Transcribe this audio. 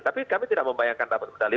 tapi kami tidak membayangkan dapat medali